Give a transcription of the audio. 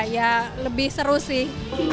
ya lebih seru sih